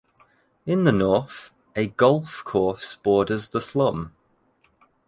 In the north, a golf course borders the slum.